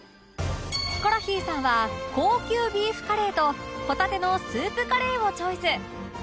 ヒコロヒーさんは高級ビーフカレーとホタテのスープカレーをチョイス